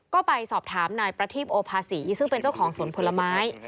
ก็ไปสอบถามนายประทีพโอภาษีซึ่งเป็นเจ้าของสวนผลไม้